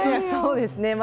そうですね。